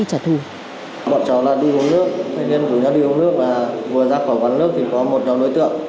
bọn cháu là đi hôn nước thanh niên của nhóm đi hôn nước là vừa ra khỏi quán nước thì có một nhóm đối tượng